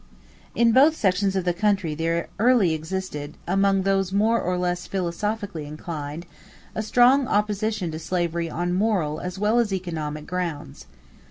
= In both sections of the country there early existed, among those more or less philosophically inclined, a strong opposition to slavery on moral as well as economic grounds.